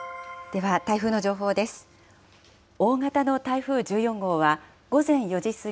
では、台風の情報です。